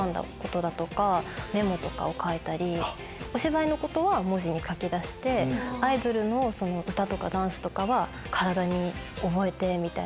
お芝居のことは文字に書き出してアイドルの歌とかダンスとかは体に覚えてみたいな。